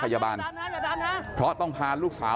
เพื่อนบ้านเจ้าหน้าที่อำรวจกู้ภัย